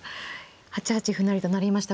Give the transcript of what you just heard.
８八歩成と成りました。